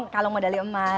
kalung medali emas